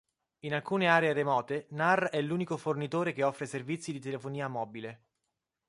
In alcune aree remote Nar è l'unico fornitore che offre servizi di telefonia mobile.